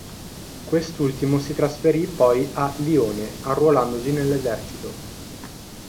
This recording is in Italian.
Quest'ultimo si trasferì poi a Lione arruolandosi nell'esercito.